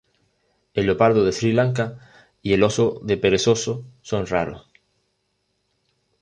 El leopardo de Sri Lanka y el oso de perezoso son raros.